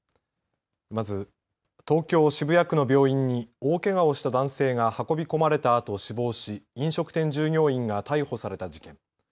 まず、東京渋谷区の病院に大けがをした男性が運び込まれたあと死亡し飲食店従業員が逮捕された事件。